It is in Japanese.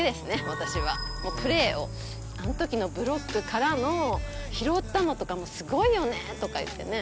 私はもうプレーをあのときのブロックからの拾ったのとかもすごいよね！とか言ってね